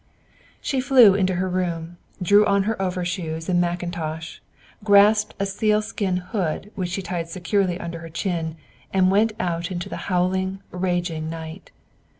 She flew into her room, drew on her overshoes and mackintosh, grasped a sealskin hood, which she tied securely under her chin, and went out into the howling, raging night.